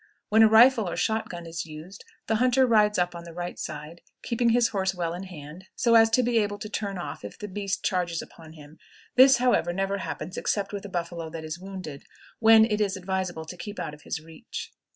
When a rifle or shot gun is used the hunter rides up on the right side, keeping his horse well in hand, so as to be able to turn off if the beast charges upon him; this, however, never happens except with a buffalo that is wounded, when it is advisable to keep out of his reach.